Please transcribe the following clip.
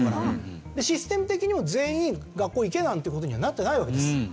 システム的にも全員学校行けなんて事にはなってないわけです。